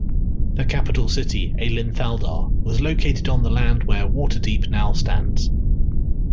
The capital city, Aelinthaldaar, was located on the land where Waterdeep now stands.